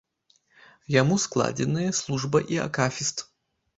Яму складзеныя служба і акафіст.